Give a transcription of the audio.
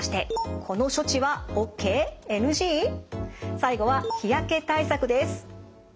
最後は日焼け対策です。